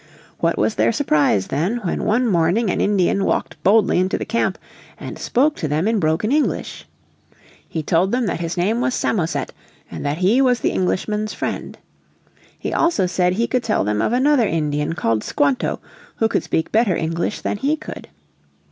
What was their surprise then when one morning an Indian walked boldly into the camp and spoke to them in broken English! He told them that his name was Samoset, and that he was the Englishmen's friend. He also said he could tell them of another Indian called Squanto who could speak better English than he could.